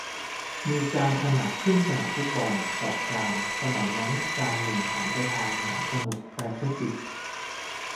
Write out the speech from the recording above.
มีจานขนาดครึ่งสนามฟุตบอล สอง จาน สมัยนั้นจานหนึ่งหันไปทางมหาสมุทรแปซิฟิก